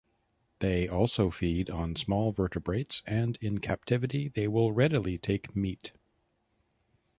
They also feed on small vertebrates and in captivity they will readily take meat.